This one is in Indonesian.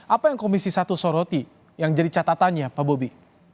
apa yang komisi satu soroti yang jadi catatannya pak bobi